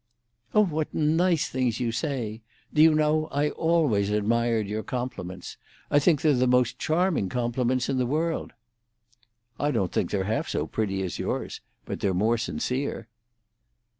"Oh, what nice things you say! Do you know, I always admired your compliments? I think they're the most charming compliments in the world." "I don't think they're half so pretty as yours; but they're more sincere."